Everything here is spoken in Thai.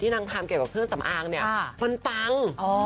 นางทำเกี่ยวกับเครื่องสำอางเนี่ยมันปัง